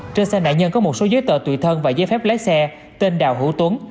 trên xe nạn nhân có một số giấy tờ tùy thân và giấy phép lái xe tên đào hữu tuấn